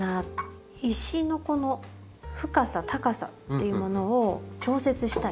石のこの深さ高さっていうものを調節したい。